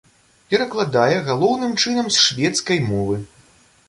Перакладае галоўным чынам з шведскай мовы.